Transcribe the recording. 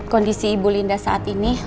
kondisi ibu linda saat ini